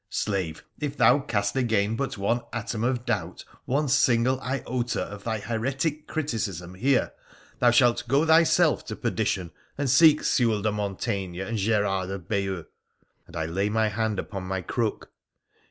Slave, if thou cast again but one atom of doubt, one single iota of thy heretic criticism here, thou shalt go thyself to perdition and seek Sewall de Monteign and Gerard of Bayeux,' and I laid my hand upon my crook.